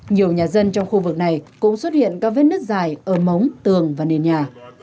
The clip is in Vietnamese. nhiều nhà dân trong khu vực này cũng xuất hiện các vết nứt dài ở mống tường và nền nhà